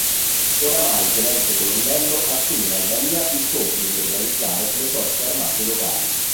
Oramai tenente colonnello assume in Albania il compito di organizzare le forze armate locali.